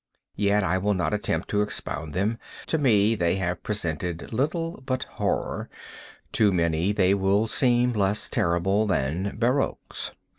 Yet I will not attempt to expound them. To me, they have presented little but horror—to many they will seem less terrible than barroques.